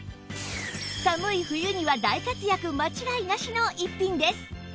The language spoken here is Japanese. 寒い冬には大活躍間違いなしの逸品です